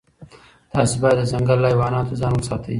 تاسي باید د ځنګل له حیواناتو ځان وساتئ.